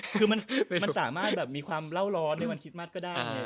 คือมันสามารถแบบมีความเล่าร้อนในวันคิดมัติก็ได้